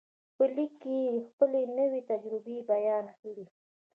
په لیک کې یې خپلې نوې تجربې بیان کړې